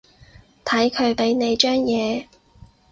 睇佢畀你張嘢